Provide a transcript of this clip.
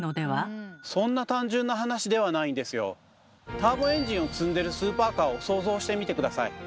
ターボエンジンを積んでるスーパーカーを想像してみて下さい。